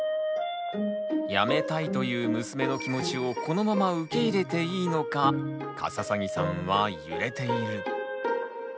「やめたい」という娘の気持ちをこのまま受け入れていいのかカササギさんは揺れている。